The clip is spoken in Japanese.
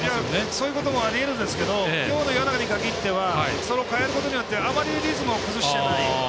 そういうこともありえるんですけど今日の柳に関してはそれを変えることによってあまりリズムを崩してない。